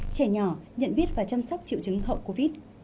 trẻ nhỏ nhận biết và chăm sóc triệu chứng hậu covid